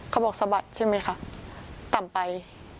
เขาบอกสะบัดใช่ไหมคะต่ำไป